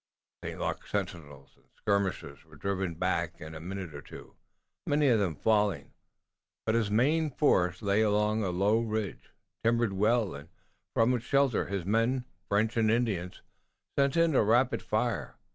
St. Luc's sentinels and skirmishers were driven back in a minute or two, many of them falling, but his main force lay along a low ridge, timbered well, and from its shelter his men, French and Indians, sent in a rapid fire.